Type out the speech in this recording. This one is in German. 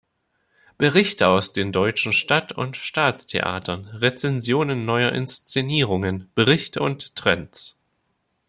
Berichte aus den deutschen Stadt- und Staatstheatern, Rezensionen neuer Inszenierungen, Berichte und Trends.